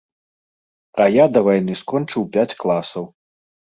А я да вайны скончыў пяць класаў.